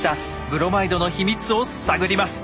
ブロマイドのヒミツを探ります！